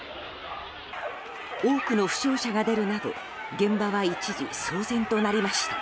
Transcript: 多くの負傷者が出るなど現場は一時、騒然となりました。